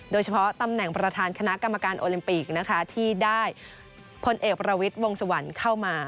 ตำแหน่งประธานคณะกรรมการโอลิมปิกนะคะที่ได้พลเอกประวิทย์วงสวรรค์เข้ามา